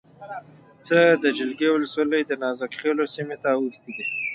څخه د جلگې ولسوالی دنازک خیلو سیمې ته اوښتې ده